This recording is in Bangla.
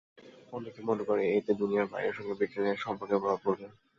অনেকে মনে করে এতে বাইরের দুনিয়ার সঙ্গে ব্রিটেনের সম্পর্কে প্রভাব পড়বে।